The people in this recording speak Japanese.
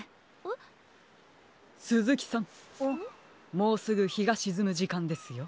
もうすぐひがしずむじかんですよ。